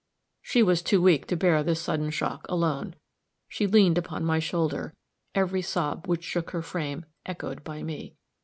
She was too weak to bear this sudden shock alone; she leaned upon my shoulder, every sob which shook her frame echoed by me.